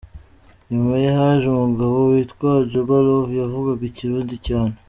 Nyuma ye haje umugabo witwa Ajoba Love yavugaga ikirundi cyane.